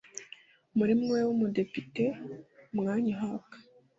murimo we w ubudepite umwanya uhabwa